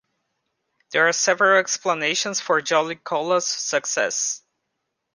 There are several explanations for Jolly Cola's success.